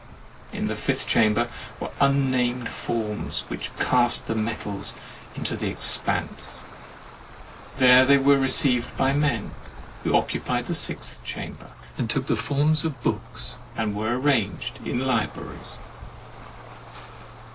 In the fifth chamber were unnamed forms, which cast the metals into the expanse. There they were received by men who occupied the sixth chamber, and took the forms of books, and were arranged in libraries.